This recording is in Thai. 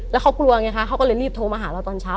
แล้วเขากลัวไงคะเขาก็เลยรีบโทรมาหาเราตอนเช้า